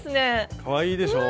かわいいでしょう？